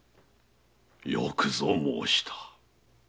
よくぞ申した。